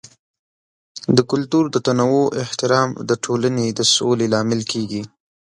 د کلتور د تنوع احترام د ټولنې د سولې لامل کیږي.